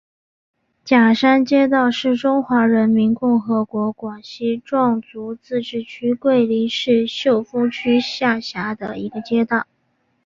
甲山街道是中华人民共和国广西壮族自治区桂林市秀峰区下辖的一个街道。